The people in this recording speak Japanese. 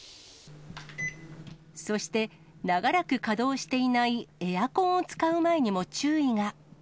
そして、長らく稼働していないエアコンを使う前にも注意が。